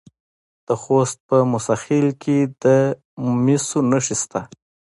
د خوست په موسی خیل کې د مسو نښې شته.